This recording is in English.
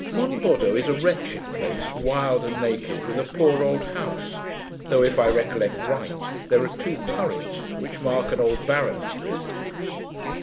Monboddo is a wretched place, wild and naked, with a poor old house; though, if I recollect right, there are two turrets which mark an old baron's residence.